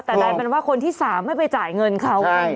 แต่ได้แปนว่าคนที่สามไม่ไปจ่ายเงินเขา